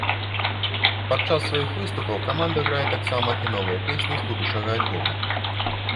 Падчас сваіх выступаў каманда грае таксама і новыя песні з будучага альбома.